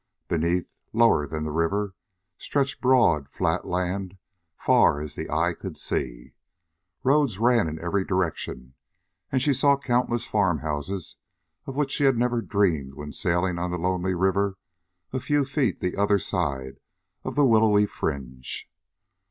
Beneath, lower than the river, stretched broad, flat land, far as the eye could see. Roads ran in every direction, and she saw countless farmhouses of which she had never dreamed when sailing on the lonely river a few feet the other side of the willowy fringe.